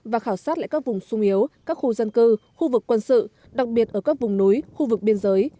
và khảo sát lại các vùng sung yếu các khu dân cư khu vực quân sự đặc biệt ở các vùng núi khu vực biên giới